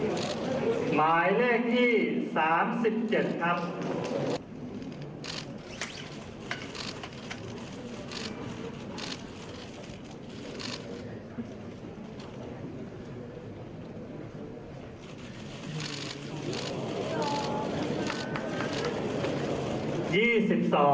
หมายเลขที่๓๗ครับ